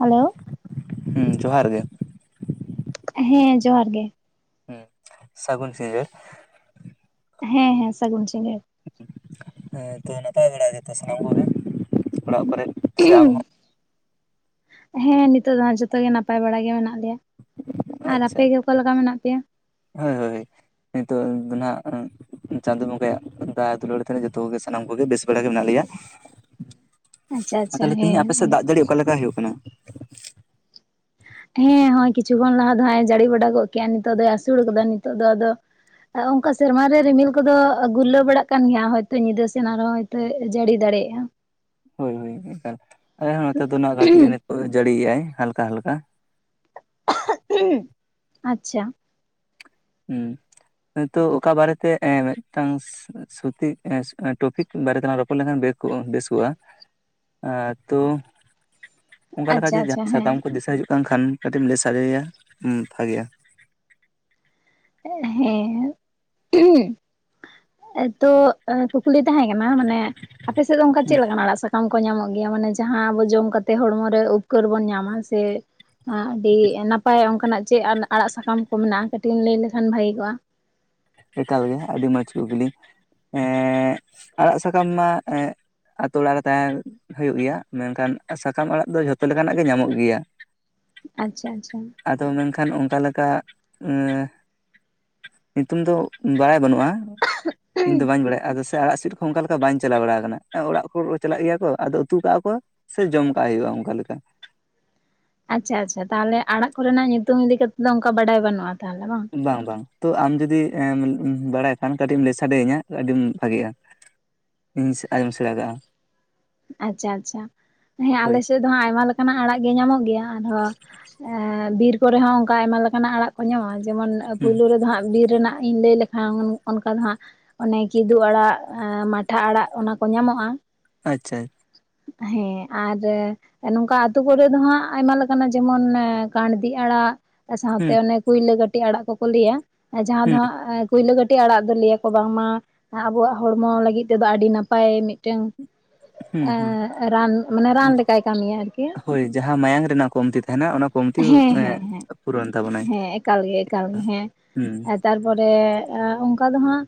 Hello ᱦᱩᱸ ᱡᱚᱦᱟᱨ ᱜᱮ ᱦᱮᱸ ᱡᱚᱦᱟᱨ ᱜᱮ ᱦᱩᱸ ᱥᱟᱹᱜᱩᱱ ᱥᱤᱸᱜᱟ. ᱬ ᱦᱮᱸ ᱦᱮᱸ ᱥᱟᱹᱜᱩᱱ ᱥᱤᱜᱟ. ᱬ ᱦᱮᱸ ᱛᱚ ᱱᱟᱯᱟᱭ ᱵᱟᱲᱟ ᱜᱮ ᱛᱚ ᱥᱟᱱᱟᱢ ᱠᱚᱜᱮ ᱚᱲᱟᱜ ᱠᱚᱨᱮᱫ ᱥᱮ ᱟᱢ ᱦᱚᱸ ᱦᱮᱸ ᱱᱤᱛᱚᱜ ᱫᱚ ᱦᱟᱸᱜ ᱡᱷᱚᱛᱚ ᱜᱮ ᱱᱟᱯᱟᱭ ᱵᱟᱲᱟ ᱜᱮ ᱢᱮᱱᱟᱜ ᱞᱮᱭᱟ ᱟᱨ ᱟᱪᱪᱷᱟ ᱟᱯᱮᱜ ᱜᱮ ᱚᱠᱟ ᱞᱮᱠᱟ ᱢᱮᱱᱟᱜ ᱯᱮᱭᱟ ᱦᱳᱭ ᱦᱳᱭ ᱱᱤᱛᱚᱜ ᱫᱚ ᱱᱟᱜ ᱪᱟᱸᱫᱚ ᱵᱚᱸᱜᱟᱣᱟᱜ ᱫᱟᱭᱟ ᱫᱩᱞᱟᱹᱲ ᱛᱮ ᱡᱚᱛᱚ ᱜᱮ ᱥᱟᱱᱟᱢ ᱠᱚᱜᱮ ᱵᱮᱥ ᱵᱟᱲᱟ ᱜᱮ ᱢᱮᱱᱟᱜ ᱞᱮᱭᱟ ᱟᱪᱪᱷᱟ ᱟᱨ ᱟᱪᱪᱷᱟ ᱛᱟᱞᱦᱮ ᱛᱮᱦᱤᱧᱚᱜ ᱦᱮᱸ ᱟᱯᱮ ᱥᱮᱫ ᱟᱫᱚ ᱫᱟᱜ ᱡᱟᱲᱤ ᱚᱠᱟᱞᱮᱠᱟ ᱦᱩᱭᱩᱜ ᱠᱟᱱᱟ ᱦᱮᱸ ᱦᱚᱸᱜ-ᱚᱭ ᱠᱤᱪᱷᱩ ᱠᱷᱚᱱ ᱞᱟᱦᱟ ᱫᱚ ᱦᱟᱸᱜᱮ ᱡᱟ. ᱲᱤ ᱵᱟᱲᱟ ᱜᱚᱫ ᱠᱮᱟᱭ ᱱᱤᱛᱚᱜ ᱫᱚᱭ ᱟᱹᱥᱩᱲ ᱠᱟᱫᱟ ᱱᱤᱛᱚᱜ ᱫᱚ ᱟᱫᱚ ᱦᱚᱸᱜ-ᱚ ᱱᱚᱝᱠᱟ ᱥᱮᱨᱢᱟᱨ ᱨᱮ ᱨᱤᱢᱤᱞ ᱠᱚᱫᱚ ᱜᱩᱨᱞᱟᱹᱣ ᱵᱟᱲᱟᱜ ᱠᱟᱱ ᱜᱮᱭᱟ ᱦᱚᱭᱛᱳ ᱧᱤᱫᱟᱹ ᱥᱮᱱ ᱟᱨᱦᱚᱸ ᱛᱮ ᱡᱟᱹᱲᱤ ᱫᱟᱲᱮᱭᱟᱜᱼᱟ ᱦᱳᱭ ᱦᱳᱭ ᱮᱠᱟᱞ ᱟᱨᱦᱚᱸ ᱱᱚᱛᱮ ᱫᱚᱱᱟᱜ ᱠᱟᱹᱴᱤᱡ ᱡᱟᱹᱲᱤᱭᱮᱫᱼᱟᱭ ᱦᱟᱞᱠᱟ ᱦᱟᱞᱠᱟ [unintelligible] ᱟᱪᱪᱷᱟ ᱦᱤᱸ ᱱᱤᱛᱳ ᱚᱠᱟ ᱵᱟᱨᱮᱛᱮ ᱮᱸᱻ ᱢᱤᱫᱴᱟᱝ [unintelligible] ᱥᱩᱯᱤ ᱮᱸ ᱮᱸ ᱴᱚᱯᱤᱠ ᱵᱟᱨᱮ ᱛᱮᱞᱟᱝ ᱨᱚᱯᱚᱲ ᱞᱮᱱᱠᱷᱟᱱ ᱵᱮᱥ ᱠᱚᱜᱼᱟ ᱮᱸ ᱛᱚ ᱚᱝᱠᱟ ᱞᱮᱠᱟ ᱟᱪᱪᱷᱟ ᱡᱮ ᱟᱪᱪᱷᱟ ᱦᱮᱸ ᱥᱟᱛᱟᱢ ᱠᱚ ᱫᱤᱥᱟᱹ ᱦᱤᱡᱩᱜ ᱠᱟᱱ ᱠᱷᱟᱱ ᱠᱟᱹᱴᱤᱡ ᱮᱢ ᱞᱟᱹᱭ ᱥᱟᱰᱮᱭᱟ ᱦᱮᱸ ᱵᱷᱟᱜᱮᱜ-ᱟ ᱦᱮᱸ ᱦᱳᱩ ᱛᱚ ᱮᱸ ᱠᱩᱠᱞᱤ ᱛᱟᱦᱮᱸ ᱠᱟᱱᱟ ᱢᱟᱱᱮ ᱟᱯᱮ ᱥᱮᱫ ᱫᱚ ᱚᱱᱠᱟ ᱪᱮᱫ ᱞᱮᱠᱟᱱᱟᱜ ᱟᱲᱟᱜ ᱥᱟᱠᱟ ᱥᱟᱠᱟᱢ ᱠᱚ ᱧᱟᱢᱚᱜ ᱜᱮᱭᱟ ᱢᱟᱱᱮ ᱡᱟᱦᱟᱸ ᱟᱵᱚ ᱡᱚᱢ ᱠᱟᱛᱮ ᱦᱚᱲᱢᱚ ᱨᱮ ᱩᱯᱠᱟᱹᱨ ᱵᱚᱱ ᱧᱟᱢᱟ ᱥᱮ ᱮᱸᱻ ᱟᱹᱰᱤ ᱱᱟᱯᱟᱭ ᱚᱝᱠᱟᱱᱟᱜ ᱪᱮᱫ ᱟᱲᱟᱜ ᱥᱟᱠᱟᱢ ᱠᱚ ᱢᱮᱱᱟᱜᱼᱟ ᱠᱟᱹᱴᱤᱡ ᱮᱢ ᱞᱟᱹᱭ ᱞᱮᱠᱷᱟᱱ ᱵᱷᱟᱜᱤ ᱠᱚᱜᱼᱟ ᱮᱠᱟᱞ ᱜᱮ ᱟᱹᱰᱤ ᱢᱚᱸᱡᱽ ᱠᱩᱠᱞᱤ ᱮᱸᱻ ᱟᱲᱟᱜ ᱥᱟᱠᱟᱢ ᱢᱟ ᱟᱛᱳ ᱚᱲᱟᱜ ᱨᱮ ᱛᱟᱦᱮᱸ ᱦᱩᱭᱩᱜ ᱜᱮᱭᱟ ᱢᱮᱱᱠᱷᱟᱱ ᱥᱟᱠᱟᱢ ᱟᱲᱟᱜ ᱫᱚ ᱡᱷᱚᱛᱚ ᱞᱮᱠᱟᱱᱟᱜ ᱜᱮ ᱧᱟᱢᱚᱜ ᱜᱮᱭᱟ ᱟᱪᱪᱷᱟ ᱟᱪᱪᱷᱟ ᱟᱫᱚ ᱢᱮᱱᱠᱷᱟᱱ ᱚᱱᱠᱟ ᱞᱮᱠᱟ ᱮᱸᱻ ᱧᱩᱛᱩᱢ ᱫᱚ ᱵᱟᱲᱟᱭ ᱵᱟᱹᱱᱩᱜᱼᱟ ᱤᱧ ᱫᱚ ᱵᱟᱹᱧ ᱵᱟᱰᱟᱭᱟ ᱟᱫᱚ ᱥᱮ ᱟᱲᱟᱜ ᱥᱤᱫ ᱚᱝᱠᱟ ᱞᱮᱠᱟ ᱵᱟᱧ ᱪᱟᱞᱟᱣ ᱵᱟᱲᱟ ᱟᱠᱟᱱᱟ ᱚᱲᱟᱜ ᱠᱚ ᱪᱟᱞᱟᱜ ᱜᱮᱭᱟ ᱠᱚ ᱟᱫᱚ ᱩᱛᱩ ᱠᱟᱜᱼᱟ ᱠᱚ ᱥᱮ ᱡᱚᱢ ᱠᱟᱜ ᱦᱩᱭᱩᱜᱼᱟ ᱚᱝᱠᱟ ᱞᱮᱠᱟ ᱟᱪᱪᱷᱟ ᱟᱪᱪᱷᱟ ᱛᱟᱦᱞᱮ ᱟᱲᱟᱜ ᱠᱚ ᱨᱮᱱᱟᱜ ᱧᱩᱛᱩᱢ ᱤᱫᱤ ᱠᱟᱛᱮᱫ ᱫᱚ ᱚᱱᱠᱟ ᱵᱟᱰᱟᱭ ᱵᱟᱹᱱᱩᱜᱼᱟ ᱛᱟᱦᱞᱮ ᱵᱟᱝ ᱵᱟᱝ ᱵᱟᱝ ᱛᱚ ᱟᱢ ᱡᱩᱫᱤ ᱵᱟᱲᱟᱭ ᱠᱷᱟᱱ ᱠᱟᱹᱴᱤᱡ ᱮᱢ ᱞᱟᱹᱭ ᱥᱟᱰᱮ ᱤᱧᱟ ᱟᱹᱰᱤᱧ ᱵᱷᱟᱜᱤᱜᱼᱟ ᱤᱧ ᱟᱸᱡᱚᱢ ᱥᱮᱬᱟ ᱠᱟᱜᱼᱟ ᱟᱪᱪᱷᱟ ᱟᱪᱪᱷᱟ ᱦᱮᱸ ᱦᱳᱭ ᱟᱞᱮᱥᱮᱫ ᱫᱚ ᱦᱟᱸᱜ ᱟᱭᱢᱟ ᱞᱮᱠᱟᱱᱟᱜ ᱟᱲᱟᱜ ᱜᱮ ᱧᱟᱢᱚᱜ ᱜᱮᱭᱟ ᱟᱨᱦᱚᱸ ᱵᱤᱨ ᱠᱚᱨᱮ ᱦᱚᱸ ᱚᱱᱠᱟ ᱟᱭᱢᱟ ᱞᱮᱠᱟᱱᱟᱜ ᱟᱲᱟᱜ ᱠᱚ ᱧᱟᱢᱚᱜᱼᱟ ᱡᱮᱢᱚᱱ ᱦᱩᱸ ᱯᱳᱭᱞᱳ ᱨᱮᱫᱚ ᱦᱟᱸᱜ ᱵᱤᱨ ᱨᱮᱱᱟᱜ ᱤᱧ ᱞᱟᱹᱭ ᱞᱮᱠᱷᱟᱱ ᱦᱮᱸ ᱚᱱᱠᱟ ᱫᱚ ᱦᱟᱸᱜ ᱚᱱᱮ ᱠᱮᱫᱳᱜ ᱟᱲᱟᱜ ᱢᱟᱴᱷᱟ ᱟᱲᱟᱜ ᱚᱱᱟ ᱠᱚ ᱧᱟᱢᱚᱜᱼᱟ ᱟᱪᱪᱷᱟ ᱦᱮᱸ ᱟᱨ ᱮᱸ ᱱᱚᱝᱠᱟ ᱟᱹᱛᱩ ᱠᱚᱨᱮ ᱫᱚ ᱦᱟᱸᱜ ᱟᱭᱢᱟ ᱞᱮᱠᱟᱱᱟᱜ ᱡᱮᱢᱚᱱ ᱠᱟᱬᱫᱤ ᱟᱲᱟᱜ ᱥᱟᱶᱛᱮ ᱦᱩᱸ ᱚᱱᱮ ᱠᱩᱭᱞᱟᱹ ᱠᱟᱹᱴᱤᱡ ᱟᱲᱟᱜ ᱠᱚᱠᱚ ᱞᱟᱹᱭᱟ ᱡᱟᱦᱟᱸ ᱫᱚ ᱦᱩᱸ ᱦᱟᱸᱟᱜ ᱮᱸᱻ ᱯᱩᱭᱞᱟᱹ ᱠᱟᱹᱴᱤᱡ ᱟᱲᱟᱜ ᱫᱚ ᱞᱟᱹᱭᱟᱠᱚ ᱵᱟᱝᱢᱟ ᱟᱵᱚᱣᱟᱜ ᱦᱚᱲᱢᱚ ᱞᱟᱹᱜᱤᱫ ᱛᱮᱫᱚ ᱟᱹᱰᱤ ᱱᱟᱯᱟᱭ ᱢᱤᱫᱴᱝ ᱦᱩᱸ ᱚ, ᱦᱩᱸ ᱨᱟᱱ ᱢᱟᱱᱮ ᱨᱟᱱ ᱞᱮᱠᱟᱭ ᱠᱟᱹᱢᱤᱭᱟ ᱟᱨᱠᱤ ᱦᱳᱭ ᱡᱟᱦᱟᱸ ᱢᱟᱭᱟᱝ ᱨᱮᱱᱟᱜ ᱠᱚᱢᱛᱤ ᱛᱟᱦᱮᱱᱟ ᱚᱱᱟ ᱠᱚᱢᱛᱤ ᱦᱮᱸ ᱦᱮᱸ ᱦᱮᱸ ᱯᱩᱨᱚᱱ ᱛᱟᱵᱚᱱᱟᱭ ᱦᱮᱸ ᱮᱠᱟᱞ ᱜᱮ ᱮᱠᱟᱞ ᱜᱮ ᱦᱮᱸ ᱦᱩᱸ ᱟ ᱛᱟᱨᱯᱚᱨᱮ ᱮᱸ ᱚᱝᱠᱟ ᱫᱚ ᱦᱟᱸᱜ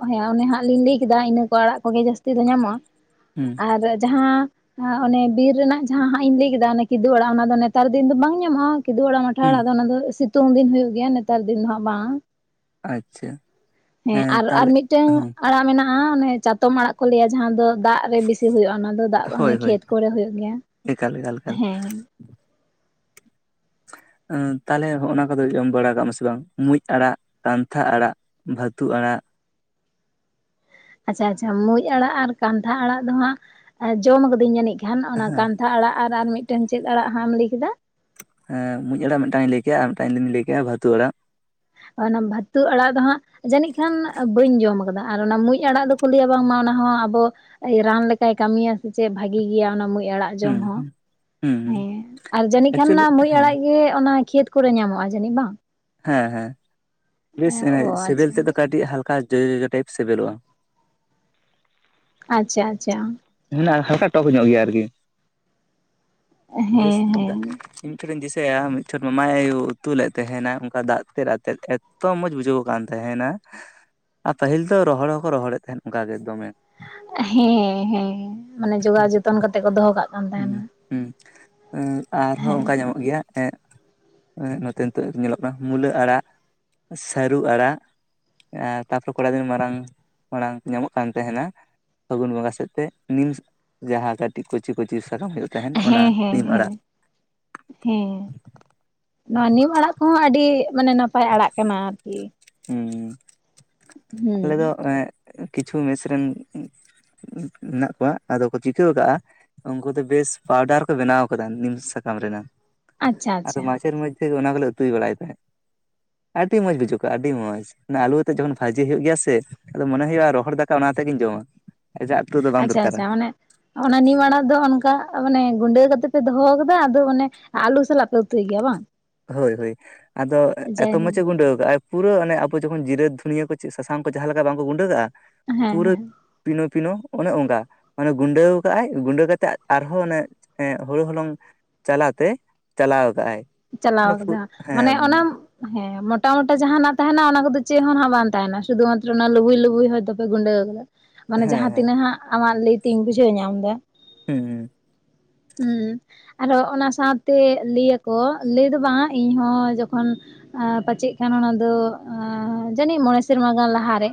ᱮᱸᱜᱻ ᱚᱱᱮ ᱦᱟᱸᱜ ᱞᱤᱧ ᱞᱟᱹᱭ ᱠᱮᱫᱟ ᱤᱱᱟᱹ ᱠᱚ ᱟᱲᱟᱜ ᱠᱚᱜᱮ ᱡᱟᱹᱥᱛᱤ ᱫᱚ ᱧᱟᱢᱚᱜᱼᱟ ᱦᱩᱸ ᱟᱨ ᱡᱟᱦᱟᱸ ᱚᱱᱮ ᱵᱤᱨ ᱨᱮᱱᱟᱜ ᱡᱟᱦᱟᱸ ᱦᱟᱸᱜ ᱤᱧ ᱞᱟᱹᱭ ᱠᱮᱫᱟ ᱠᱤᱫᱩᱜ ᱟᱲᱟᱜ ᱚᱱᱟ ᱫᱚ ᱱᱮᱛᱟᱨ ᱫᱤᱱ ᱫᱚ ᱵᱟᱝ ᱧᱟᱢᱚᱜᱼᱟ ᱠᱤᱫᱩᱜ ᱟᱲᱟᱜ ᱢᱟᱴᱷᱟ ᱦᱩᱸ ᱟᱲᱟᱜ ᱟᱫᱚ ᱚᱱᱟ ᱫᱚ ᱥᱤᱛᱩᱝ ᱫᱤᱱ ᱦᱩᱭᱩᱜᱮᱭᱟ ᱜᱮᱭᱟ ᱱᱮᱛᱟᱨ ᱫᱤᱱ ᱫᱚ ᱦᱟᱜ ᱵᱟᱝ ᱟᱪᱪᱷᱟ ᱦᱮᱸ ᱟᱨ ᱟᱨ ᱛᱟᱦᱞᱮ ᱢᱤᱫᱴᱟᱝ ᱦᱮᱸ ᱟᱲᱟᱜ ᱢᱮᱱᱟᱜᱼᱟ ᱚᱱᱮ ᱪᱟᱛᱚᱢ ᱟᱲᱟᱜ ᱠᱚ ᱞᱟᱹᱭᱟ ᱡᱟᱦᱟᱸ ᱫᱚ ᱫᱟᱜ ᱨᱮ ᱵᱤᱥᱤ ᱦᱩᱭᱩᱜᱼᱟ ᱚᱱᱟ ᱫᱚ ᱫᱟᱜ ᱦᱳᱭ ᱦᱳᱭ ᱠᱷᱮᱛ ᱠᱚᱨᱮ ᱦᱩᱭᱩᱜ ᱜᱮᱭᱟ ᱮᱠᱟᱞ ᱮᱠᱟᱞ ᱮᱠᱟᱞ ᱦᱮᱸ ᱛᱟᱦᱚᱞᱮ ᱦᱚᱜᱼᱚ ᱱᱚᱭᱟ ᱠᱚᱫᱚ ᱡᱚᱢ ᱵᱟᱲᱟ ᱠᱟᱜ-ᱟᱢ ᱥᱮ ᱵᱟᱝ ᱢᱩᱸᱡ ᱟᱲᱟᱜ ᱠᱟᱱᱛᱷᱟ ᱟᱲᱟᱜ ᱵᱷᱟᱹᱛᱩ ᱟᱲᱟᱜ ᱟᱪᱪᱷᱟ ᱟᱪᱪᱷᱟ ᱢᱩᱡ ᱟᱲᱟᱜ ᱟᱨ ᱠᱟᱱᱛᱷᱟ ᱟᱲᱟᱜ ᱫᱚ ᱦᱟᱸᱜ ᱡᱚᱢ ᱠᱟᱹᱫᱟᱹᱧ ᱡᱟᱹᱱᱤᱡ ᱠᱷᱟᱱ ᱚᱱᱟ ᱠᱟᱱᱷᱟ ᱠᱟᱛᱷᱟ ᱟᱲᱟᱜ ᱟᱨ ᱢᱤᱫᱴᱮᱱ ᱪᱮᱫ ᱟᱲᱟᱜ ᱦᱟᱢ ᱞᱟᱹᱭ ᱠᱮᱫᱟ ᱦᱮᱸᱢᱩᱸᱡ ᱟᱲᱟᱜ ᱢᱤᱫᱴᱟᱝᱤᱧ ᱞᱟᱹᱭ ᱠᱮᱜᱼᱟ ᱟᱨ ᱢᱤᱫᱴᱟᱝᱤᱧ ᱞᱟᱹᱭ ᱠᱮᱫᱼᱟ ᱵᱷᱟᱹᱛᱩ ᱟᱲᱟᱜ ᱚᱱᱟ ᱵᱷᱟᱹᱛᱩ ᱟᱲᱟᱜ ᱫᱚ ᱦᱟᱸᱜ ᱡᱟᱹᱱᱤᱡ ᱠᱷᱟᱱ ᱵᱟᱹᱧ ᱡᱚᱢ ᱠᱟᱫᱟ ᱟᱨ ᱚᱱᱟ ᱢᱩᱡ ᱟᱲᱟᱜ ᱫᱚᱠᱚ ᱞᱟᱹᱭᱟ ᱵᱟᱝᱢᱟ ᱚᱱᱟᱦᱚᱸ ᱟᱵᱚ ᱨᱟᱱ ᱞᱮᱠᱟᱭ ᱠᱟᱹᱢᱤᱭᱟ ᱥᱮ ᱪᱮᱫ ᱵᱷᱟᱹᱜᱤ ᱜᱮᱭᱟ ᱚᱱᱟ ᱢᱩᱸᱡ ᱟᱲᱟᱜ ᱡᱚᱢ ᱦᱩᱸ ᱦᱚᱸ ᱦᱩᱸ ᱦᱩᱸ ᱦᱮᱸ ᱟᱨ ᱡᱟᱹᱱᱤᱡ ᱠᱷᱟᱱ ᱚᱱᱟ ᱮᱠᱪᱩᱭᱮᱞᱤ ᱢᱩᱡ ᱦᱮᱸ ᱟᱲᱟᱜ ᱜᱮ ᱚᱱᱟ ᱠᱷᱮᱛ ᱠᱚᱨᱮ ᱧᱟᱢᱚᱜᱼᱟ ᱡᱟᱹᱱᱤᱡ ᱵᱟᱝ ᱦᱮᱸ ᱦᱮᱸ ᱵᱮᱥ ᱚ ᱟᱪᱪᱷᱟ ᱥᱤᱵᱤᱞ ᱛᱮᱫᱚ ᱠᱟᱹᱴᱤᱡ ᱦᱟᱞᱠᱟ ᱡᱚᱡᱚ ᱡᱚᱡᱚ ᱴᱟᱭᱤᱯ ᱥᱤᱵᱤᱞᱚᱜᱼᱟ ᱟᱪᱪᱷᱟ ᱟᱪᱪᱷᱟ ᱦᱮᱸ ᱦᱟᱞᱠᱟ ᱴᱚᱠ ᱧᱚᱜ ᱜᱮᱭᱟ ᱟᱨᱠᱤ ᱵᱮᱥ ᱦᱮᱸ ᱦᱮᱸ ᱢᱤᱫᱪᱷᱮᱱᱤᱧ ᱫᱤᱥᱟᱹᱭᱟ ᱢᱤᱫ ᱪᱷᱚᱴ ᱢᱟᱢᱟᱭ ᱩᱛᱩ ᱞᱮᱫ ᱛᱟᱦᱮᱱᱟ ᱫᱟᱜ ᱛᱮᱫ ᱟᱛᱮᱫ ᱮᱛᱚ ᱢᱚᱸᱡᱽ ᱵᱩᱡᱷᱟᱹᱣ ᱠᱟᱱ ᱛᱟᱦᱮᱱᱟ ᱟᱨ ᱯᱟᱹᱦᱤᱞ ᱫᱚ ᱨᱚᱦᱚᱲ ᱦᱚᱸᱠᱚ ᱨᱚᱦᱚᱲᱮᱫ ᱛᱟᱦᱮᱸᱫ ᱚᱱᱠᱟ ᱜᱮ ᱫᱚᱢᱮ ᱦᱮᱸ ᱦᱮᱸ ᱢᱟᱱᱮ ᱡᱚᱜᱟᱣ ᱡᱚᱛᱚᱱ ᱠᱟᱛᱮᱜ ᱠᱚ ᱫᱚᱦᱚ ᱠᱟᱜ ᱠᱟᱱ ᱛᱟᱦᱮᱱᱟ ᱦᱩᱸ ᱦᱩᱸ ᱟᱨᱦᱚᱸ ᱚᱱᱠᱟ ᱧᱟᱢᱚᱜ ᱜᱮᱭᱟ ᱮᱸᱜ ᱱᱚᱛᱮ ᱱᱤᱛᱚᱜ ᱧᱮᱞᱚᱜ ᱠᱟᱱᱟ ᱢᱩᱞᱟᱹ ᱟᱲᱟᱜ ᱥᱟᱹᱨᱩ ᱟᱲᱟᱜ ᱟᱨ ᱛᱟᱨᱯᱚᱨᱮ ᱠᱚᱲᱟ ᱫᱤᱱ ᱢᱟᱨᱟᱝ ᱢᱟᱲᱟᱝ ᱧᱟᱢᱚᱜ ᱠᱟᱱ ᱛᱟᱦᱮᱱᱟ ᱯᱷᱟᱹᱜᱩᱱ ᱵᱚᱸᱜᱟ ᱥᱮᱫᱛᱮ ᱱᱤᱢ ᱡᱟᱦᱟᱸ ᱠᱟᱹᱴᱤᱡ ᱠᱚᱪᱤ ᱠᱚᱪᱤ ᱥᱟᱠᱟᱢ ᱦᱩᱭᱩᱜ ᱛᱟᱦᱮᱱ ᱚᱱᱟ ᱦᱮᱸ ᱦᱮᱸ ᱱᱤᱢ ᱟᱲᱟᱜ ᱦᱮᱸ ᱦᱮᱸ ᱱᱚᱣᱟ ᱱᱤᱢ ᱟᱲᱟᱜ ᱠᱚᱦᱚᱸ ᱟᱹᱰᱤ ᱢᱟᱱᱮ ᱱᱟᱯᱟᱭ ᱟᱲᱟᱜ ᱠᱟᱱᱟ ᱟᱨᱠᱤ ᱦᱮᱸ ᱟᱞᱮ ᱫᱚ ᱦᱩᱸ ᱠᱤᱪᱷᱩ ᱢᱮᱥ ᱨᱮᱱ ᱢᱮᱱᱟᱜ ᱠᱚᱣᱟ ᱟᱫᱚ ᱠᱚ ᱪᱤᱠᱟᱹ ᱠᱟᱜᱼᱟ ᱩᱱᱠᱩ ᱫᱚ ᱵᱮᱥ ᱯᱟᱣᱰᱟᱨ ᱠᱚ ᱵᱮᱱᱟᱣ ᱠᱟᱫᱟ ᱱᱤᱢ ᱥᱟᱠᱟᱢ ᱨᱮᱱᱟᱜ ᱟᱪᱪᱷᱟ ᱟᱫᱚ ᱟᱪᱪᱷᱟ ᱢᱟᱪᱷᱮᱨ ᱢᱟᱚᱫᱡᱷᱮ ᱠᱤ ᱚᱱᱟ ᱠᱚᱞᱮ ᱩᱛᱩᱭ ᱵᱟᱲᱟᱭ ᱛᱟᱦᱮᱸᱜ ᱟᱹᱰᱤ ᱢᱚᱸᱡᱽ ᱵᱩᱡᱩᱜ ᱠᱚᱜᱼᱟ ᱟᱹᱰᱤ ᱢᱡᱽ ᱟᱞᱩᱟᱛᱮ ᱡᱚᱠᱷᱚᱱ ᱵᱷᱟᱹᱡᱤ ᱡᱮ ᱦᱩᱭᱩᱜ ᱜᱮᱭᱟ ᱥᱮ ᱟᱫᱚ ᱢᱚᱱᱮ ᱦᱩᱭᱩᱜᱼᱟ ᱨᱚᱦᱚᱲ ᱫᱟᱠᱟ ᱚᱱᱟ ᱛᱮᱜᱤᱧ ᱡᱚᱢᱟ ᱟᱡᱟᱜ ᱟᱹᱛᱩ ᱫᱚ ᱵᱟᱝ ᱟᱪᱪᱷᱟ ᱫᱚᱨᱠᱟᱨᱟ ᱟᱪᱪᱷᱟ ᱢᱟᱱᱮ ᱚᱱᱟ ᱱᱤᱢ ᱟᱲᱟᱜ ᱫᱚ ᱚᱱᱠᱟ ᱢᱟᱱᱮ ᱜᱩᱸᱰᱟᱹ ᱠᱟᱛᱮᱫ ᱯᱮ ᱫᱚᱦᱚᱠᱟᱫᱟ ᱟᱫᱚ ᱚᱱᱮ ᱟᱞᱩ ᱥᱟᱞᱟᱜ ᱯᱮ ᱩᱛᱩᱭ ᱜᱮᱭᱟ ᱵᱟᱝ ᱦᱳᱭ ᱦᱳᱭ ᱟᱫᱚ ᱮᱛᱚ ᱡᱟᱭᱦᱳᱠ ᱢᱚᱸᱡᱮ ᱜᱩᱰᱟᱹᱣ ᱠᱟᱜ-ᱟᱭ ᱯᱩᱨᱟᱹ ᱟᱱᱮ ᱟᱵᱚ ᱡᱚᱠᱷᱚᱱ ᱡᱤᱨᱟᱹ ᱫᱷᱩᱱᱤᱭᱟᱹ ᱠᱚ ᱪᱮ ᱥᱟᱥᱟᱝ ᱠᱚ ᱡᱟᱦᱟᱸ ᱞᱮᱠᱟ ᱵᱟᱝᱠᱚ ᱜᱩᱸᱰᱟᱹᱜ ᱠᱟᱜᱼᱟ ᱦᱮᱸ ᱯᱩᱨᱟᱹ ᱦᱮᱸ ᱯᱤᱱᱳ ᱯᱤᱱᱳ ᱚᱱᱮ ᱚᱱᱠᱟ ᱚᱱᱮ ᱜᱩᱰᱟᱹᱣ ᱠᱟᱜ-ᱟᱭ ᱜᱩᱰᱟᱹ ᱠᱟᱛᱮᱜ ᱟᱨᱦᱚᱸ ᱚᱱᱮ ᱦᱩᱲᱩ ᱦᱚᱞᱚᱝ ᱪᱟᱞᱟ ᱛᱮ ᱪᱟᱞᱟᱣ ᱠᱟᱜ-ᱟᱭ ᱪᱟᱞᱟᱣ ᱠᱟᱫᱟ ᱢᱟᱱᱮ ᱚᱱᱟᱢ ᱦᱮᱸ ᱢᱚᱴᱟ ᱢᱚᱴᱟ ᱡᱟᱦᱟᱸᱱᱟᱜ ᱛᱟᱦᱮᱱᱟ ᱚᱱᱟ ᱠᱚᱫᱚ ᱪᱮᱫ ᱦᱚᱸ ᱱᱟᱜ ᱵᱟᱝ ᱛᱟᱦᱮᱱᱟ ᱥᱩᱫᱩ ᱢᱟᱛᱨᱚ ᱚᱱᱟ ᱞᱩᱵᱩᱭ ᱞᱵᱩᱭ ᱦᱚᱭᱛ ᱛᱚᱯᱮ ᱜᱩᱸᱰᱟᱹᱣ ᱠᱟᱫᱟ ᱢᱟᱱᱮ ᱦᱮᱸ ᱡᱟᱦᱟᱸ ᱦᱮᱸ ᱛᱤᱱᱟᱹᱜ ᱦᱟᱸᱜ ᱟᱢᱟᱜ ᱞᱟᱹᱭᱛᱤᱧ ᱵᱩᱡᱷᱟᱹᱣ ᱧᱟᱢ ᱫᱟ ᱦᱩᱸ ᱦᱩᱸ ᱟᱨᱦᱚ ᱚᱱᱟ ᱥᱟᱶᱛᱮ ᱞᱟᱹᱭᱟᱠᱚ ᱞᱟᱹᱭ ᱫᱚ ᱵᱟᱝ ᱤᱧ ᱦᱚᱸ ᱡᱚᱠᱷᱚᱱ ᱯᱟᱪᱮᱜ ᱠᱟᱱᱟ ᱚᱱᱟ ᱫᱚ ᱡᱟᱹᱱᱤᱡ ᱢᱚᱬᱮ ᱥᱮᱨᱢᱟ ᱜᱟᱱ ᱞᱟᱦᱟᱨᱮ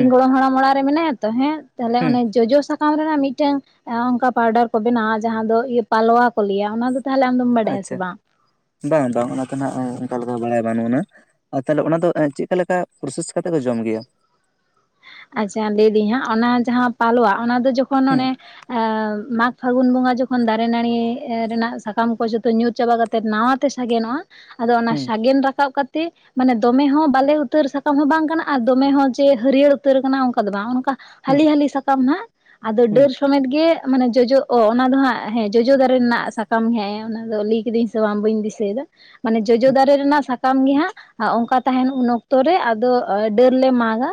ᱤᱧ ᱜᱚᱲᱚᱢ ᱦᱟᱲᱟᱢ ᱚᱲᱟᱜ ᱨᱮ ᱢᱮᱱᱟᱭᱟ ᱛᱚ ᱦᱮᱸ ᱛᱟᱦᱚᱞᱮ ᱦᱩᱸ ᱚᱱᱮ ᱡᱚᱡᱚ ᱥᱟᱠᱟᱢ ᱥᱟᱠᱟᱢ ᱨᱮᱱᱟᱜ ᱢᱤᱫᱴᱟᱝ ᱚᱱᱠᱟ ᱯᱟᱣᱰᱟᱨ ᱠᱚ ᱵᱮᱱᱟᱣᱟ ᱡᱟᱦᱟᱸ ᱫᱚ ᱯᱟᱞᱣᱟ ᱠᱚ ᱞᱮᱭᱟ ᱚᱱᱟ ᱫᱚ ᱛᱟᱦᱚᱞᱮ ᱟᱡᱫᱚ ᱟᱪᱪᱷᱟ ᱵᱟᱝ ᱵᱟᱝ ᱚᱱᱟᱛᱮ ᱱᱟᱜ ᱚᱱᱠᱟ ᱞᱮᱠᱟ ᱵᱟᱲᱟᱭ ᱵᱟᱹᱱᱩᱜ ᱟᱱᱟ ᱟᱨ ᱛᱟᱦᱚᱞᱮ ᱚᱱᱟ ᱫᱚ ᱪᱮᱫᱠᱟ ᱞᱮᱠᱟ ᱯᱨᱚᱥᱮᱥ ᱠᱟᱛᱮᱫ ᱠᱚ ᱡᱚᱢ ᱜᱮᱭᱟ ᱟᱪᱪᱷᱟ ᱞᱟᱹᱭᱫᱟᱹᱧ ᱦᱟᱸᱜ ᱚᱱᱟ ᱡᱟᱦᱟᱸ ᱯᱟᱞᱣᱟ ᱚᱱᱟ ᱫᱚ ᱡᱚᱠᱷᱚᱱ ᱦᱩᱸ ᱚᱱᱮ ᱢᱟᱜᱽ ᱯᱷᱟᱹᱜᱩᱱ ᱵᱚᱸᱜᱟ ᱡᱚᱠᱷᱚᱱ ᱫᱟᱨᱮ ᱱᱟᱹᱲᱤ ᱨᱮᱱᱟᱜ ᱥᱟᱠᱟᱢ ᱠᱚ ᱡᱚᱛᱚ ᱧᱩᱨ ᱪᱟᱵᱟ ᱠᱟᱛᱮᱫ ᱱᱟᱣᱟ ᱛᱮ ᱥᱟᱜᱮᱱᱚᱜᱼᱟ ᱟᱫᱚ ᱚᱱᱟ ᱦᱩᱸ ᱥᱟᱜᱮᱱ ᱨᱟᱠᱟᱵ ᱠᱟᱛ ᱛᱮ ᱢᱟᱱᱮ ᱫᱚᱢᱮ ᱦᱚᱸ ᱵᱟᱞᱮ ᱩᱛᱟᱹᱨ ᱥᱟᱠᱟᱢ ᱦᱚᱸ ᱵᱟᱝ ᱠᱟᱱᱟ ᱟᱨ ᱫᱚᱢᱮ ᱦᱚᱸ ᱡᱮ ᱦᱟᱹᱨᱭᱟᱹᱲ ᱩᱛᱟᱹᱨ ᱠᱟᱱᱟ ᱚᱱᱠᱟ ᱫᱚ ᱵᱟᱝ ᱚᱱᱠᱟ ᱦᱩᱸ ᱦᱟᱹᱞᱤ ᱦᱟᱹᱞᱤ ᱥᱟᱠᱟᱢ ᱱᱟᱦᱟᱜ ᱟᱫᱚ ᱦᱩᱸ ᱰᱟᱹᱨ ᱥᱚᱢᱮᱛ ᱜᱮ ᱢᱟᱱᱮ ᱡᱚᱡᱚᱜ ᱚ ᱚᱱᱟ ᱫᱚ ᱦᱟᱸᱜ ᱦᱮᱸ ᱡᱚᱡᱚ ᱫᱟᱨᱮ ᱨᱮᱱᱟᱜ ᱥᱟᱠᱟᱢ ᱦᱮᱸ ᱚᱱᱟ ᱫᱚ ᱞᱟᱹᱭ ᱠᱤᱫᱟᱹᱧ ᱥᱮ ᱵᱟᱝ ᱵᱟᱹᱧ ᱫᱤᱥᱟᱹᱭᱮᱫᱟ ᱢᱟᱱᱮ ᱡᱚᱡᱚ ᱦᱩᱸ ᱫᱟᱨᱮ ᱨᱮᱱᱟᱜ ᱥᱟ ᱠᱟᱱ ᱜᱮ ᱦᱟᱸᱜ ᱚᱝᱠᱟ ᱛᱟᱦᱮᱱ ᱩᱱ ᱚᱠᱛᱚ ᱨᱮ ᱟᱫᱚ ᱰᱟᱹᱨ ᱞᱮ ᱢᱟᱜᱟ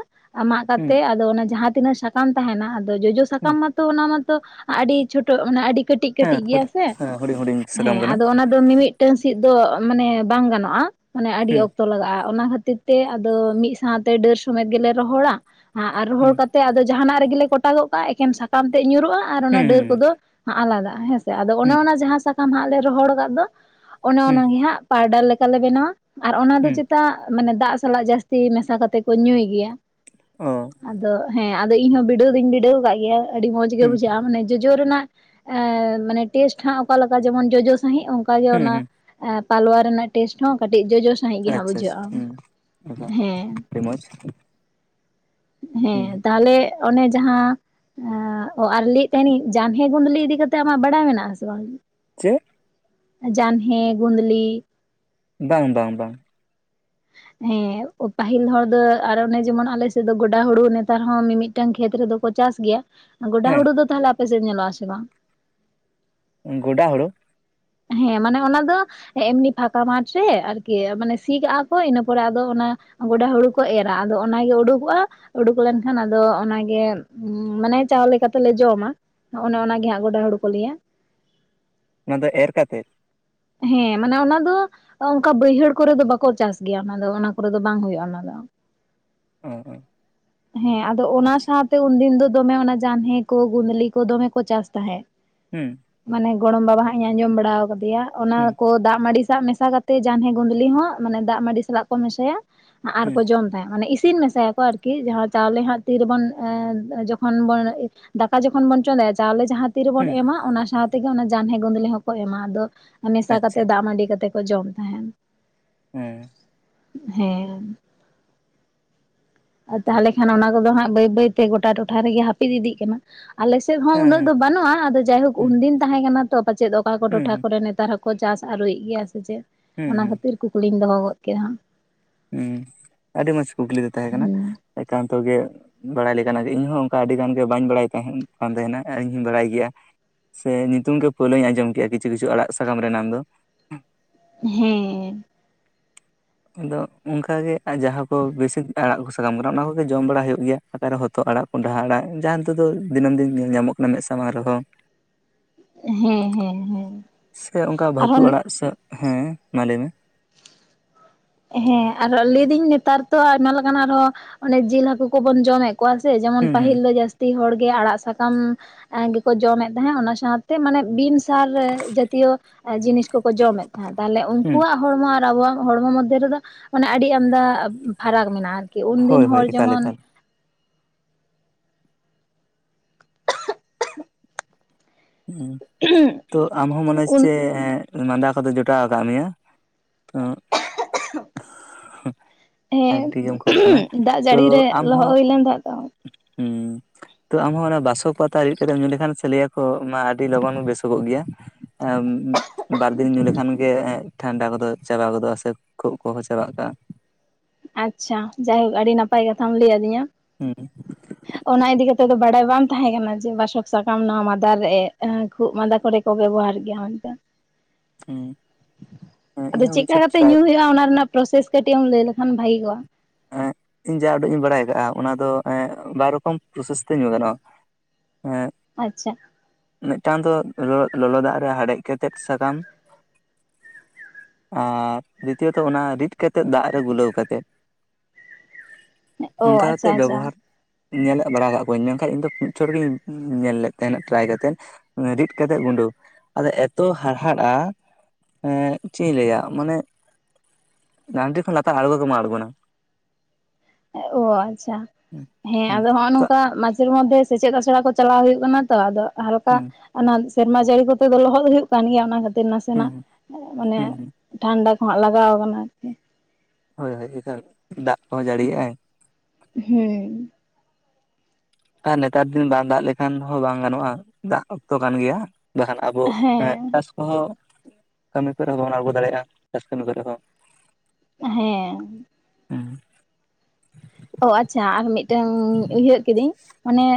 ᱢᱟᱜ ᱦᱩᱸ ᱠᱟᱛᱮᱜ ᱟᱫᱚ ᱚᱱᱟ ᱡᱟᱦᱟᱸ ᱛᱤᱱᱟᱹᱜ ᱥᱟᱠᱟᱢ ᱛᱟᱦᱮᱱᱟ ᱟᱫᱚ ᱡᱚᱡᱚ ᱦᱩᱸ ᱥᱟᱠᱟᱢ ᱢᱟᱛᱚ ᱚᱱᱟ ᱢᱟᱛᱚ ᱟᱹᱰᱤ ᱪᱷᱳᱴᱳᱜ ᱢᱟᱱᱮ ᱟᱹᱰᱤ ᱠᱟᱹᱴᱤᱡ ᱦᱮᱸ ᱠᱟᱹᱴᱤᱡ ᱜᱮᱭᱟ ᱦᱩᱰᱤᱧ ᱦᱮᱸ ᱦᱩᱰᱤᱧ ᱦᱩᱰᱤᱧ ᱥᱟᱠᱟᱢ ᱦᱮᱸ ᱠᱟᱱᱟ ᱟᱫᱚ ᱚᱱᱟ ᱫᱚ ᱢᱤᱢᱤᱫᱴᱟᱝ ᱥᱤᱫ ᱫᱚ ᱢᱟᱱᱮ ᱵᱟᱝ ᱜᱟᱱᱚᱜᱼᱟ ᱢᱟᱱᱮ ᱟᱹᱰᱤ ᱦᱩᱸ ᱚᱠᱛᱚ ᱞᱟᱜᱟᱜᱼᱟ ᱚᱱᱟ ᱠᱷᱟᱹᱛᱤᱨ ᱛᱮ ᱟᱫᱚ ᱢᱤᱫ ᱥᱟᱶᱛᱮ ᱰᱟᱹᱨ ᱥᱚᱢᱮᱛ ᱜᱮᱞᱮ ᱨᱚᱦᱚᱲᱟ ᱟᱨ ᱦᱩᱸ ᱨᱚᱦᱚᱲ ᱠᱟᱛ ᱛᱮ ᱟᱫᱚ ᱡᱟᱦᱟᱱᱟᱜ ᱨᱮᱜᱮᱞᱮ ᱠᱚᱴᱟᱜᱚᱜ ᱠᱟᱜᱼᱟ ᱮᱠᱮᱱ ᱥᱟᱠᱟᱢ ᱛᱮ ᱧᱩᱨᱩᱜᱼᱟ ᱟᱨ ᱚᱱᱟ ᱦᱩᱸ ᱰᱟᱹᱨ ᱦᱩᱸ ᱠᱚᱫᱚ ᱟᱞᱟᱫᱟ ᱦᱮᱸᱥ ᱥᱮ ᱟᱫᱚ ᱚᱱᱮ ᱚᱱᱟ ᱡᱟᱦᱟᱸ ᱥᱟᱠᱟᱢ ᱦᱟᱸᱜ ᱞᱮ ᱨᱚᱦᱚᱲ ᱟᱠᱟᱫ ᱫᱚ ᱚᱱᱮ ᱦᱩᱸ ᱚᱱᱟᱱᱟᱜᱮ ᱦᱟᱸᱜ ᱯᱟᱣᱰᱟᱨ ᱞᱮᱠᱟᱞᱮ ᱵᱮᱱᱟᱣᱟ ᱟᱨ ᱚᱱᱟ ᱫᱚ ᱦᱩᱸ ᱪᱮᱛᱟᱜ ᱢᱟᱱᱮ ᱫᱟᱜ ᱥᱟᱞᱟᱜ ᱡᱟᱹᱥᱛᱤ ᱢᱮᱥᱟ ᱠᱟᱛᱮ ᱠᱚ ᱧᱩᱭ ᱜᱮᱭᱟ ᱚ ᱟᱫᱚ ᱦᱮᱸ ᱟᱫᱚ ᱤᱧ ᱦᱚᱸ ᱵᱤᱰᱟᱹᱣ ᱫᱚᱧ ᱵᱤᱰᱟᱹᱣ ᱟᱠᱟᱫ ᱜᱮᱭᱟ ᱟᱹᱰᱤ ᱢᱚᱸᱡᱽ ᱜᱮ ᱦᱩᱸ ᱵᱩᱡᱷᱟᱹᱜᱼᱟ ᱢᱟᱱᱮ ᱡᱚᱡᱚ ᱨᱮᱱᱟᱜ ᱮᱸ ᱢᱟᱱᱮ ᱴᱮᱥᱴ ᱦᱟᱸ ᱚᱠᱟ ᱞᱮᱠᱟ ᱡᱮᱢᱚᱱ ᱡᱚᱡᱚ ᱥᱟᱺᱦᱤᱡ ᱚᱱᱠᱟᱜᱮ ᱦᱩᱸ ᱚᱱᱟ ᱦᱩᱸ ᱯᱟᱞᱣᱟ ᱨᱮᱱᱟᱜ ᱴᱮᱥᱴ ᱦᱚᱸ ᱠᱟᱹᱴᱤᱡ ᱡᱚᱡᱚ ᱥᱟᱹᱦᱤᱡ ᱜᱮ ᱦᱟᱸᱜ ᱟᱪᱪᱷᱟ ᱟᱪᱪᱷᱟ ᱵᱩᱡᱷᱟᱹᱜᱼᱟ ᱦᱩᱸ ᱚᱱᱠᱟ ᱦᱮᱸ ᱟᱹᱰᱤ ᱢᱚᱡᱽ ᱦᱮᱸ ᱛᱟᱦᱞᱮ ᱚᱱᱮ ᱡᱟᱦᱟᱸ ᱮᱸᱻ ᱚ ᱟᱨ ᱞᱟᱹᱭᱮᱫ ᱛᱟᱦᱮᱱᱤᱧ ᱡᱟᱱᱦᱮ ᱜᱩᱰᱞᱤ ᱤᱫᱤ ᱠᱟᱛᱮᱫ ᱟᱢᱟᱜ ᱵᱟᱲᱟᱭ ᱢᱮᱱᱟᱜᱼᱟ ᱟᱥᱮ ᱵᱟᱝ ᱪᱮᱫ ᱡᱟᱱᱦᱮ ᱜᱩᱸᱫᱞᱤ ᱵᱟᱝ ᱵᱟᱝ ᱵᱟᱝ ᱦᱮᱸ ᱯᱟᱹᱦᱤᱞ ᱦᱚᱲ ᱫᱚ ᱟᱨ ᱚᱱᱮ ᱡᱮᱢᱚᱱ ᱟᱞᱮᱥᱮᱫ ᱫᱚ ᱜᱚᱰᱟ ᱦᱩᱲᱩ ᱱᱮᱛᱟᱨ ᱦᱚᱸ ᱢᱤᱢᱤᱫ ᱢᱤᱫᱴᱟᱝ ᱠᱷᱮᱛ ᱨᱮᱫᱚ ᱠᱚ ᱪᱟᱥ ᱜᱮᱭᱟ ᱜᱚᱰᱟ ᱦᱩᱲᱩ ᱦᱮᱸ ᱫᱚ ᱛᱟᱦᱚᱞᱮ ᱟᱯᱮᱥᱮᱫ ᱧᱮᱞᱚᱜ-ᱟ ᱥᱮ ᱵᱟᱝ ᱜᱚᱰᱟ ᱦᱳᱲᱳ ᱦᱮᱸ ᱢᱟᱱᱮ ᱚᱱᱟ ᱫᱚ ᱮᱢᱱᱤ ᱯᱷᱟᱸᱠᱟ ᱢᱟᱴᱷ ᱨᱮ ᱟᱨᱠᱤ ᱢᱟᱱᱮ ᱥᱤ ᱠᱟᱜᱼᱟ ᱠᱚ ᱤᱱᱟᱹ ᱯᱚᱨᱮ ᱟᱫᱚ ᱚᱱᱟ ᱜᱚᱰᱟ ᱦᱩᱲᱩ ᱠᱚ ᱮᱨᱟ ᱟᱫᱚ ᱚᱱᱟᱜᱮ ᱩᱰᱩᱠᱚᱜᱼᱟ ᱩᱰᱩᱠ ᱞᱮᱱᱠᱷᱟᱱ ᱟᱫᱚ ᱚᱱᱟᱜᱮ ᱢᱟᱱᱮ ᱪᱟᱣᱞᱮ ᱠᱟᱛᱮᱞᱮ ᱡᱚᱢᱟ ᱚᱱᱮ ᱚᱱᱟᱜᱮ ᱦᱟᱸᱜ ᱜᱚᱰᱟ ᱦᱩᱲᱩ ᱠᱚ ᱞᱮᱭᱟ ᱚᱱᱟ ᱫᱚ ᱮᱨ ᱠᱟᱛᱮᱫ ᱦᱮᱸ ᱢᱟᱱᱮ ᱚᱱᱟ ᱫᱚ ᱚᱝᱠᱟ ᱵᱟᱹᱭᱦᱟᱹᱲ ᱠᱚᱨᱮ ᱫᱚ ᱵᱟᱠᱚ ᱪᱟᱥ ᱜᱮᱭᱟ ᱚᱱᱟ ᱫᱚ ᱚᱱᱟ ᱠᱚᱨᱮ ᱫᱚ ᱵᱟᱝ ᱦᱩᱭᱩᱜᱼᱟ ᱚᱱᱟ ᱫᱚ ᱚ [inaudible] ᱦᱮᱸ ᱟᱫᱚ ᱚᱱᱟ ᱟᱪᱪᱷᱟ ᱥᱟᱶᱛᱮ ᱩᱱᱫᱤᱱ ᱫᱚ ᱫᱚᱢᱮ ᱚᱱᱟ ᱡᱟᱱᱦᱮ ᱠᱚ ᱜᱩᱫᱽᱞᱤ ᱠᱚ ᱫᱚᱢᱮ ᱠᱚ ᱪᱟᱥ ᱛᱟᱦᱮᱸᱫ ᱦᱩᱸ ᱢᱟᱱᱮ ᱜᱚᱲᱚᱢ ᱵᱟᱵᱟ ᱦᱟᱸᱜ ᱤᱧ ᱟᱸᱡᱚᱢ ᱵᱟᱲᱟ ᱟᱠᱟᱫᱮᱭᱟ ᱚᱱᱟ ᱦᱩᱸ ᱠᱚ ᱫᱟᱜ ᱢᱟᱹᱰᱤ ᱥᱟ ᱢᱮᱥᱟ ᱠᱟᱛᱮᱫ ᱛᱮ ᱡᱟᱱᱦᱮ ᱜᱩᱸᱫᱽᱞᱤ ᱦᱚᱸ ᱢᱟᱱᱮ ᱫᱟᱜ ᱢᱟᱹᱰᱤ ᱥᱟᱞᱟᱜ ᱠᱚ ᱢᱮᱥᱟᱭᱟ ᱟᱨ ᱠᱚ ᱦᱩᱸ ᱡᱚᱢ ᱛᱟᱭᱟ ᱢᱟᱱᱮ ᱤᱥᱤᱱ ᱢᱮᱥᱟᱭᱟᱠᱚ ᱟᱨ ᱠᱤ ᱡᱟᱦᱟᱸ ᱪᱟᱣᱞᱮ ᱦᱟᱸᱜ ᱛᱤᱨᱮᱵᱚᱱ ᱡᱚᱠᱷᱚᱱ ᱵᱚᱱ ᱫᱟᱠᱟ ᱡᱚᱠᱷᱚᱱ ᱵᱚᱱ ᱪᱚᱸᱫᱟᱭ ᱪᱟᱣᱞᱮ ᱡᱟᱦᱟ ᱛᱤ ᱨᱮᱵᱚᱱ ᱦᱩᱸ ᱮᱢᱟ ᱚᱱᱟ ᱥᱟᱶᱛᱮᱜᱮ ᱚᱱᱟ ᱡᱟᱱᱦᱮ ᱜᱩᱫᱽᱞᱤ ᱦᱚᱸᱠᱚ ᱮᱢᱟ ᱟᱫᱚ ᱢᱮᱥᱟ ᱠᱟᱛᱮ ᱟᱪᱪᱷᱟ ᱫᱟᱜ ᱢᱟᱹᱰᱤ ᱠᱟᱛᱮ ᱠᱚ ᱡᱚᱢ ᱛᱟᱦᱮᱱ ᱦᱮᱸ ᱦᱮᱸ ᱟᱨ ᱛᱟᱦᱞᱮ ᱠᱷᱟᱱ ᱚᱱᱟ ᱠᱚᱫᱚ ᱦᱟᱸᱜ ᱵᱟᱹᱭ ᱵᱟᱹᱭ ᱛᱮ ᱜᱚᱴᱟ ᱴᱚᱴᱷᱟ ᱨᱮᱜᱮ ᱦᱟᱹᱯᱤᱫ ᱤᱫᱤᱜ ᱠᱟᱱᱟ ᱟᱞᱮ ᱥᱮ ᱪᱮᱫ ᱦᱚᱸ ᱦᱮᱸ ᱩᱱᱟᱹᱜ ᱦᱮᱸ ᱫᱚ ᱵᱟᱹᱱᱩᱜᱼᱟ ᱟᱫᱚ ᱡᱟᱭᱦᱳᱠ ᱦᱩᱸ ᱩᱱᱫᱤᱱ ᱛᱟᱦᱮᱸ ᱠᱟᱱᱟ ᱛᱚ ᱯᱟᱪᱮᱫ ᱚᱠᱟ ᱠᱚ ᱦᱩᱸ ᱴᱚᱴᱷᱟ ᱦᱩᱸ ᱠᱚᱨᱮ ᱱᱮᱛᱟᱨ ᱦᱚᱸ ᱠᱚ ᱪᱟᱥ ᱟᱹᱨᱩᱭᱮᱫ ᱜᱮᱭᱟ ᱥᱮ ᱪᱮᱫ ᱦᱩᱸ ᱚᱱᱟ ᱦᱩᱸ ᱠᱷᱟᱹᱛᱤᱨ ᱠᱩᱠᱞᱤᱧ ᱫᱚᱦᱚ ᱜᱚᱫ ᱠᱮᱫᱟ ᱦᱩᱸ ᱟᱹᱰᱤ ᱢᱚᱸᱡᱽ ᱠᱩᱠᱞᱤ ᱫᱚ ᱛᱟᱦᱮᱸ ᱠᱟᱱᱟ ᱮᱠᱟᱱᱛᱚ ᱜᱮ ᱵᱟᱲᱟᱭ ᱞᱮᱠᱟᱱᱟᱜ ᱜᱮ ᱤᱧᱦᱚᱸ ᱚᱱᱠᱟ ᱟᱹᱰᱤ ᱜᱟᱱ ᱜᱮ ᱵᱟᱹᱧ ᱵᱟᱲᱟᱭ ᱠᱟᱱ ᱛᱟᱦᱮᱱᱟ ᱤᱧ ᱦᱚᱸᱧ ᱵᱟᱲᱟᱭ ᱜᱮᱭᱟ ᱥᱮ ᱧᱩᱛᱩᱢ ᱜᱮ ᱯᱳᱭᱞᱟᱹᱧ ᱟᱸᱡᱚᱢ ᱠᱮᱜᱼᱟ ᱠᱤᱪᱷᱩ ᱠᱤᱪᱷᱩ ᱟᱲᱟᱜ ᱥᱟᱠᱟᱢ ᱨᱮᱱᱟᱝ ᱫᱚ ᱦᱮᱸ ᱟᱫᱚ ᱚᱱᱠᱟ ᱜᱮ ᱡᱟᱦᱟᱸ ᱠᱚ ᱵᱮᱥᱤ ᱟᱲᱟᱜ ᱥᱟᱠᱟᱢ ᱠᱟᱱᱟ ᱚᱱᱟ ᱠᱚᱜᱮ ᱡᱚᱢ ᱵᱟᱲᱟ ᱦᱩᱭᱩᱜ ᱜᱮᱭᱟ ᱥᱟᱫᱟᱨᱚᱱ ᱦᱚᱲ ᱛᱚ ᱟᱲᱟᱜ ᱠᱚᱸᱰᱷᱟ ᱟᱲᱟᱜ ᱡᱟᱦᱟᱸ ᱛᱮᱫᱚ ᱫᱤᱱᱟᱹᱢ ᱫᱤᱱ ᱧᱮᱞ ᱧᱟᱢᱚᱜ ᱠᱟᱱᱟ ᱢᱮᱫ ᱥᱟᱢᱟᱝ ᱨᱮᱫᱚᱸ ᱦᱮᱸ ᱦᱮᱸ ᱦᱮᱸ ᱥᱮ ᱚᱱᱠᱟ ᱵᱷᱟᱛᱩ ᱟᱨᱦᱚᱸ ᱟᱲᱟᱜ ᱥᱮ ᱦᱮᱸ ᱢᱟ ᱞᱟᱹᱭ ᱢᱮ ᱦᱮᱸ ᱟᱨ ᱞᱟᱹᱭᱫᱟᱹᱧ ᱱᱮᱛᱟᱨ ᱛᱚ ᱟᱭᱢᱟ ᱞᱮᱠᱟᱱᱟᱜ ᱟᱨᱦᱚᱸ ᱚᱱᱮ ᱡᱤᱞ ᱦᱟᱠᱩ ᱠᱚᱵᱚᱱ ᱡᱚᱢᱮᱫ ᱠᱚᱣᱟ ᱥᱮ ᱡᱮᱢᱚᱱ ᱦᱩᱸ ᱦᱩᱸ ᱯᱟᱹᱦᱤᱞ ᱫᱚ ᱡᱟᱹᱥᱛᱤ ᱦᱚᱲᱜᱮ ᱟᱲᱟᱜ ᱥᱟᱠᱟᱢ ᱜᱮᱠᱚ ᱡᱚᱢᱮᱫ ᱛᱟᱦᱮᱸᱫ ᱚᱱᱟ ᱥᱟᱶᱛᱮ ᱢᱟᱱᱮ ᱵᱤᱱ ᱥᱟᱨ ᱡᱟᱛᱤᱭᱚ ᱡᱤᱱᱤᱥ ᱠᱚ ᱠᱚ ᱡᱚᱢᱮᱫ ᱛᱟᱦᱮᱸᱫ ᱛᱟᱦᱚᱞᱮ ᱦᱩᱸ ᱩᱱᱠᱩᱣᱟᱜ ᱦᱚᱲᱢᱚ ᱟᱨ ᱟᱵᱚᱣᱟᱜ ᱦᱚᱲᱢᱚ ᱢᱚᱫᱽᱫᱷᱮ ᱨᱮᱫᱚ ᱢᱟᱱᱮ ᱟᱹᱰᱤ ᱟᱱᱫᱟ ᱯᱷᱟᱨᱟᱠ ᱢᱮᱱᱟᱜᱼᱟ ᱠᱤ ᱩᱱᱫᱤᱱ ᱦᱳᱭ ᱦᱳᱭ ᱦᱚᱲ ᱮᱠᱟᱞ ᱡᱮᱢᱚᱱ ᱮᱠᱟᱞ ᱦᱮᱸ ᱛᱚ ᱟᱢᱦᱚᱸ ᱢᱚᱱᱮ ᱩᱱ ᱦᱚᱪᱷᱮ ᱢᱟᱫᱟ ᱠᱚᱫᱚ ᱡᱚᱴᱟᱣ ᱟᱠᱟᱫ ᱢᱮᱭᱟ ᱚᱜ ᱦᱮᱸ ᱟᱹᱰᱤ ᱜᱮᱢ ᱠᱷᱩᱜ ᱠᱟᱱᱟ ᱫᱟᱜ ᱛᱚ ᱡᱟᱹᱲᱤ ᱨᱮ ᱟᱢ ᱞᱚᱦᱚᱫ ᱦᱚᱸ ᱦᱩᱭ ᱞᱮᱱ ᱛᱟᱦᱮᱸᱫ ᱛᱚ ᱦᱩᱸ ᱛᱚ ᱟᱢᱦᱚᱸ ᱚᱱᱟ ᱵᱟᱥᱚᱠ ᱯᱟᱛᱟ ᱨᱤᱫ ᱠᱟᱛᱮᱢ ᱧᱩ ᱞᱮᱠᱷᱟᱱ ᱥᱮ ᱞᱟᱹᱭᱟᱠᱚ ᱟᱹᱰᱤ ᱞᱚᱜᱚᱱ ᱵᱮᱥᱚᱜᱚᱜ ᱜᱮᱭᱟ ᱵᱤᱨ ᱫᱤᱱ ᱧᱩ ᱞᱮᱠᱷᱟᱱ ᱜᱮ ᱮᱸ ᱴᱷᱟᱱᱰᱟ ᱠᱚᱫᱚ ᱪᱟᱵᱟ ᱜᱚᱫᱚᱜᱼᱟ ᱥᱮ ᱠᱷᱩᱜ ᱠᱚᱦᱚᱸ ᱪᱟᱵᱟᱜ ᱠᱟᱱ ᱟᱪᱪᱷᱟ ᱡᱟᱭᱦᱳᱠ ᱟᱹᱰᱤ ᱱᱟᱯᱟᱭ ᱠᱟᱛᱷᱟᱢ ᱞᱟᱹᱭ ᱟᱹᱫᱤᱧᱟ ᱦᱩᱸ ᱚᱱᱟ ᱤᱫᱤ ᱠᱟᱛᱮᱜ ᱫᱚ ᱵᱟᱲᱟᱭ ᱵᱟᱝ ᱛᱟᱦᱮᱸ ᱠᱟᱱᱟ ᱡᱮ ᱵᱟᱥᱚᱠ ᱥᱟᱠᱟᱢ ᱱᱚᱣᱟ ᱢᱟᱫᱟᱟᱨ ᱨᱮ ᱠᱷᱩᱜ ᱢᱟᱸᱫᱟ ᱠᱚᱨᱮ ᱠᱚ ᱵᱮᱵᱚᱦᱟᱨ ᱜᱮᱭᱟ ᱟᱱᱛᱮ ᱦᱩᱸ [inaudible] ᱟᱫᱚ ᱤᱧᱦᱚᱸ ᱢᱤᱫ ᱪᱮᱫᱮᱠᱟ ᱪᱷᱚᱴ ᱠᱟᱛᱮ ᱴᱨᱟᱭ ᱧᱩ ᱦᱩᱭᱩᱜᱼᱟ ᱚᱱᱟ ᱨᱮᱱᱟᱜ ᱯᱨᱚᱥᱮᱥ ᱠᱟᱹᱴᱤᱡ ᱮᱢ ᱞᱟᱹᱭ ᱞᱮᱠᱷᱟᱱ ᱵᱷᱟᱹᱜᱤ ᱠᱚᱜᱼᱟ ᱮᱜ ᱤᱧ ᱡᱟ ᱩᱰᱤᱠ ᱤᱧ ᱵᱟᱲᱟᱭ ᱟᱠᱟᱟᱜᱼᱟ ᱚᱱᱟ ᱫᱚ ᱮᱜ ᱵᱟᱨ ᱨᱚᱠᱚᱢ ᱯᱨᱚᱥᱮᱥ ᱛᱮ ᱧᱩ ᱜᱟᱱᱚᱜᱼᱟ ᱮᱜ ᱟᱪᱪᱷᱟ ᱢᱤᱫᱴᱟᱝ ᱫᱚ ᱞᱚᱞᱚ ᱫᱟᱜ ᱨᱮ ᱦᱮᱰᱮᱡ ᱠᱟᱛᱮᱫ ᱥᱟᱠᱟᱢ ᱟᱨ ᱫᱤᱛᱤᱭᱚ ᱫᱚ ᱚᱱᱟ ᱨᱤᱫ ᱠᱟᱛᱮᱫ ᱫᱟᱜ ᱨᱮ ᱜᱩᱞᱟᱹᱣ ᱠᱟᱛᱮᱫ ᱚ ᱚᱝᱠᱟ ᱟᱪᱪᱷᱟ ᱟᱛᱮᱜ ᱟᱪᱪᱷᱟ ᱵᱮᱵᱚᱦᱟᱨ ᱧᱮᱞᱚᱜ ᱵᱟᱲᱟᱣ ᱠᱟᱜ ᱠᱚᱣᱟᱹᱧ ᱢᱮᱱᱠᱷᱟᱱ ᱤᱧ ᱫᱚ ᱢᱤᱫ ᱪᱷᱚᱴ ᱜᱤᱧ ᱧᱮᱞ ᱞᱮᱫ ᱛᱟᱦᱮᱸᱱᱟ ᱴᱟᱨᱟᱭ ᱠᱟᱛᱮᱜ᱾ ᱨᱤᱫᱽ ᱠᱟᱛᱮᱜ ᱜᱩᱸᱰᱟᱹ ᱟᱫᱚ ᱮᱛᱚ ᱦᱟᱲᱻᱦᱟᱫᱼᱟ [unintelligible] ᱮᱸ ᱪᱮᱜ ᱤᱧ ᱞᱟᱹᱭᱟ ᱢᱟᱱᱮ ᱞᱟᱸᱰᱨᱤ ᱠᱷᱚᱱ ᱞᱟᱛᱟᱨ ᱟᱬᱜᱚ ᱜᱮ ᱵᱟᱝ ᱟᱬᱜᱚᱱᱟ᱾ ᱳ ᱟᱪᱪᱷᱟ ᱦᱩᱸ ᱦᱮᱸ ᱦᱩᱸ ᱟᱫᱚ ᱦᱚᱜᱼᱚ ᱛᱚ ᱱᱚᱝᱠᱟ ᱮᱨ ᱢᱚᱫᱽᱫᱷᱮ ᱥᱮᱪᱮᱫ ᱥᱮᱲᱟ ᱠᱚ ᱪᱟᱞᱟᱣ ᱦᱩᱭᱩᱜ ᱠᱟᱱᱟ ᱛᱚ ᱟᱫᱚ ᱦᱟᱞᱠᱟ ᱦᱩᱸ ᱚᱱᱟ ᱥᱮᱨᱢᱟ ᱡᱟᱹᱲᱤ ᱠᱚᱛᱮ ᱫᱚ ᱞᱚᱦᱚᱫ ᱦᱩᱭᱩᱜ ᱠᱟᱱ ᱜᱮᱭᱟ ᱚᱱᱟ ᱠᱷᱟᱹᱛᱤᱨ ᱦᱩᱸ ᱱᱟᱥᱮᱱᱟᱜ ᱢᱟᱱᱮ ᱦᱩᱸ ᱦᱩᱸ ᱴᱷᱟᱱᱰᱟ ᱠᱚᱦᱜ ᱞᱟᱜᱟᱣ ᱠᱟᱱᱟ ᱟᱨᱠᱤ ᱦᱳᱭ ᱦᱳᱭ ᱮᱠᱟᱞ ᱫᱟᱜ ᱠᱚᱦᱚᱸ ᱡᱟᱹᱲᱤᱮᱜᱟᱭ ᱦᱩᱸ ᱟᱨ ᱱᱮᱛᱟᱨ ᱫᱤᱱ ᱵᱟᱝ ᱫᱟᱜ ᱞᱮᱠᱷᱟᱱ ᱦᱚᱸ ᱵᱟᱝ ᱜᱟᱱᱚᱜᱼᱟ ᱫᱟᱜ ᱚᱠᱛᱚ ᱠᱟᱱ ᱜᱮᱭᱟ ᱵᱟᱠᱷᱟᱱ ᱟᱵᱚ ᱦᱮᱸ ᱪᱟᱥ ᱠᱚᱦᱚᱸ ᱠᱟᱹᱢᱤ ᱠᱚᱨᱮ ᱦᱚᱸ ᱵᱚᱱ ᱟᱬᱜᱚ ᱫᱟᱲᱮᱭᱟᱜᱼᱟ ᱪᱟᱥ ᱠᱟᱹᱢᱤ ᱠᱚᱨᱮ ᱦᱚᱸ ᱦᱮᱸ ᱦᱩᱸ ᱚ ᱟᱪᱪᱷᱟ ᱟᱨ ᱢᱤᱫᱴᱟᱝ ᱩᱭᱦᱟᱹᱨ ᱠᱤᱫᱟᱹᱧ ᱚᱱᱮ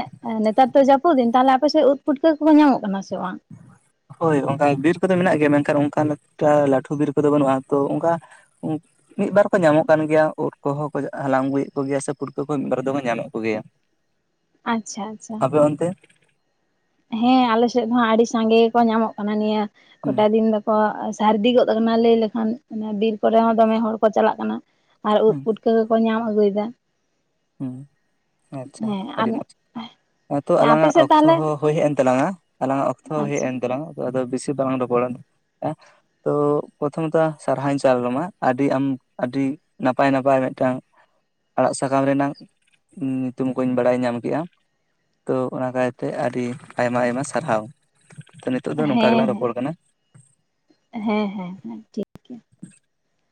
ᱱᱮᱛᱟᱨ ᱫᱚ ᱡᱟᱹᱯᱩᱫ ᱫᱤᱱ ᱛᱟᱦᱞᱮ ᱟᱯᱮᱥᱮᱫ ᱩᱫ ᱯᱷᱩᱴᱠᱟᱹ ᱠᱚᱠᱚ ᱧᱟᱢᱚᱜ ᱠᱟᱱᱟ ᱥᱮ ᱵᱟᱝ? ᱦᱳᱭ ᱚᱝᱠᱟ ᱵᱤᱨ ᱠᱚᱫᱚ ᱢᱮᱱᱟᱜ ᱜᱮᱭᱟ ᱢᱮᱱᱠᱷᱟᱱ ᱚᱝᱠᱟ ᱞᱟᱹᱴᱷᱩ ᱵᱤᱨ ᱠᱚᱫᱚ ᱵᱟᱹᱱᱩᱜᱼᱟ ᱛᱚ ᱚᱝᱠᱟ [unintelligible] ᱢᱤᱫ ᱵᱟᱨ ᱠᱚ ᱧᱟᱢᱚᱜ ᱠᱟᱱ ᱜᱮᱭᱟ ᱩᱫ ᱠᱚᱦᱚᱸ ᱠᱚ ᱦᱟᱞᱟᱝ ᱟᱹᱜᱩᱭᱮᱫ ᱠᱚ ᱜᱮᱭᱟ ᱥᱮ ᱯᱩᱴᱠᱟᱹ ᱠᱚᱦᱚᱸ ᱢᱤᱫ ᱵᱟᱨ ᱫᱚᱠᱚ ᱧᱟᱢᱮᱷ ᱠᱚ ᱜᱮᱭᱟ᱾ [inaudible] ᱟᱪᱷᱟ ᱟᱪᱷᱟ [unintelligible] ᱚᱱᱛᱮ ᱦᱮᱸ ᱟᱞᱮᱥᱮᱜ ᱦᱚᱸ ᱦᱟᱸᱜ ᱟᱹᱰᱤ ᱥᱟᱸᱜᱮ ᱜᱮᱠᱚ ᱧᱟᱢᱚᱜ ᱠᱟᱱᱟ ᱱᱤᱭᱟᱹ ᱠᱚᱴᱟ ᱦᱩᱸ ᱫᱤᱱ ᱫᱚᱠᱚ [unintelligible] ᱥᱟᱹᱨᱫᱤ ᱜᱚᱫ ᱟᱠᱟᱱᱟ ᱞᱟᱹᱭ ᱞᱮᱠᱷᱟᱱ ᱚᱱᱟ ᱵᱤᱨ ᱠᱚᱨᱮ ᱦᱚᱸ ᱫᱚᱢᱮ ᱦᱚᱲ ᱠᱚ ᱪᱟᱞᱟᱜ ᱠᱟᱱᱟ ᱟᱨ ᱩᱫ ᱦᱩᱸ ᱯᱩᱴ [unintelligible] ᱜᱮᱠᱚ ᱧᱟᱢ ᱟᱹᱜᱩᱭᱫᱟ᱾ ᱚᱸ ᱟᱪᱷᱟ ᱦᱮᱸ ᱟᱹᱰᱤ ᱢᱚᱸᱡᱽ ᱟᱨ ᱦᱮᱛᱚ ᱟᱯᱮ ᱟᱞᱟᱝᱟᱜ ᱥᱮᱫ ᱚᱠᱛᱚ ᱛᱟᱦᱚᱞᱮ ᱦᱚᱸ [unintelligible] ᱦᱩᱭ ᱦᱮᱜ ᱮᱱ ᱛᱟᱞᱟᱝᱟ ᱟᱞᱟᱝᱟᱜ ᱚᱠᱛᱚ ᱦᱚᱸ ᱦᱮᱜ ᱟᱪᱪᱷᱟ ᱮᱱ ᱛᱟᱞᱟᱝᱟ ᱟᱫᱚ ᱵᱮᱥᱤ ᱵᱟᱞᱟᱝ ᱨᱚᱯᱚᱲᱟ᱾ ᱛᱚ ᱯᱚᱛᱷᱚᱢᱚᱛᱟ ᱥᱟᱨᱦᱟᱣᱤᱧ ᱪᱟᱞ ᱟᱢᱟ ᱟᱹᱰᱤ ᱟᱢ ᱟᱹᱰᱤ [unintelligible] ᱱᱟᱯᱟᱭ ᱱᱟᱯᱟᱭ ᱢᱤᱫᱴᱟᱝ ᱟᱲᱟᱜ ᱥᱟ [unintelligible] ᱱᱟᱜᱟᱢ ᱨᱮᱱᱟᱝ ᱧᱤᱛᱩᱢ ᱠᱚᱧ ᱵᱟᱲᱟᱭ ᱧᱟᱢ ᱠᱮᱜᱼᱟ᱾ ᱛᱚ ᱚᱱᱟ ᱠᱟᱭᱛᱮ ᱟᱹᱰᱤ ᱟᱭᱢᱟ ᱟᱭᱢᱟ ᱥᱟᱨᱦᱟᱣ ᱛᱚ ᱱᱤᱛᱳᱜ ᱫᱚ ᱱᱚᱝᱠᱟ ᱜᱮᱞᱟᱝ ᱦᱮᱸ ᱦᱮᱸ ᱨᱚᱯᱚᱲ ᱠᱟᱱᱟ᱾ ᱦᱮᱸ ᱦᱮᱸ ᱦᱮᱸ ᱴᱷᱤᱠ [inaudible]